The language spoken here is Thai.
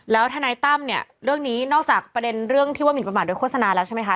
แล้วทนายตั้มเนี่ยเรื่องนี้นอกจากประเด็นเรื่องที่ว่าหมินประมาทโดยโฆษณาแล้วใช่ไหมคะ